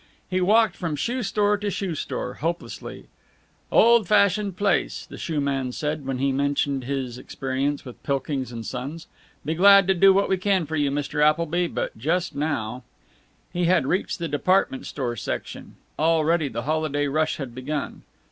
He walked from shoe store to shoe store, hopelessly. "Old fashioned place," the shoe men said when he mentioned his experience with Pilkings & Son's. "Be glad to do what we can for you, Mr. Appleby, but just now " He had reached the department store section. Already the holiday rush had begun.